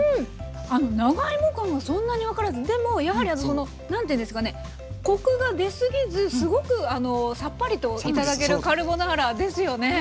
あの長芋感がそんなに分からずでもやはりその何ていうんですかねコクが出過ぎずすごくさっぱりと頂けるカルボナーラですよね。